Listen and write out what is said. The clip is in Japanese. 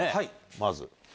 まず。